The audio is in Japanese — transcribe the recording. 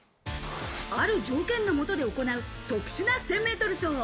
ある条件の下で行う、特殊な１０００ｍ走。